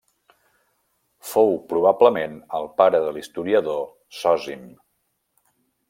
Fou probablement el pare de l'historiador Zòsim.